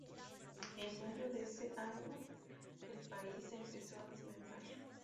En mayo de se año, el país se empezó a desmembrar.